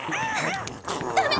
ダメ！